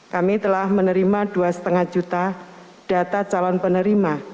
kami telah menerima dua lima juta data calon penerima